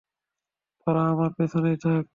তোরা আমার পেছনেই থাক।